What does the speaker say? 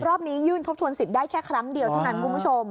รอบนี้ยื่นทบทวนสิทธิ์ได้แค่ครั้งเดียวเท่านั้นคุณผู้ชม